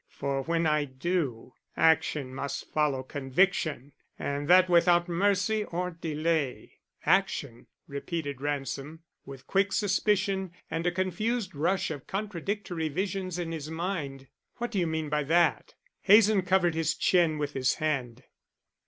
For when I do, action must follow conviction and that without mercy or delay." "Action?" repeated Ransom, with quick suspicion and a confused rush of contradictory visions in his mind. "What do you mean by that?" Hazen covered his chin with his hand.